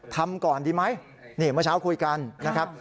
ทำก่อนดีไหมนี่เมื่อเช้าคุยกันนะครับ